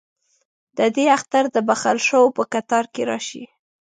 ددې اختر دبخښل شووپه کتار کې راشي